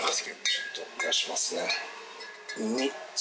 ちょっと出しますね。